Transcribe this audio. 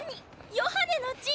ヨハネの地！